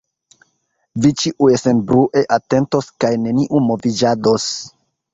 Vi ĉiuj senbrue atentos kaj neniu moviĝados.